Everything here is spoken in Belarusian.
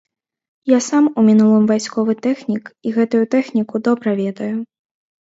Я сам у мінулым вайсковы тэхнік і гэтую тэхніку добра ведаю.